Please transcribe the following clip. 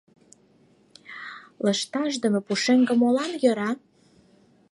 Лышташдыме пушеҥге молан йӧра?